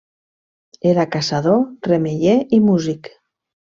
Era caçador, remeier i músic.